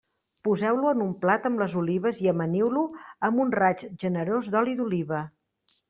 Poseu-lo en un plat amb les olives i amaniu-lo amb un raig generós d'oli d'oliva.